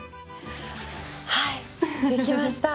はいできました！